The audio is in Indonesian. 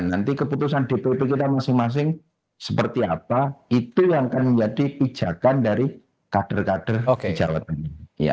nanti keputusan dpp kita masing masing seperti apa itu yang akan menjadi pijakan dari kader kader jawa tengah